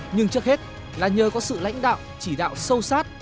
nhưng trước hết là nhờ có sự lãnh đạo chỉ đạo sâu sát